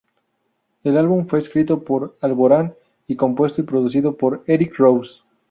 El álbum fue escrito por Alborán y compuesto y producido por Eric Rosse.